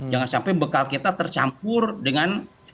jangan sampai bekal kita tercampur dengan